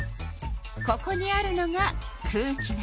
ここにあるのが空気なの。